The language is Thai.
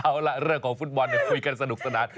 เอาล่ะเรื่องของฟุตบอลคุยกันสนุกสนาน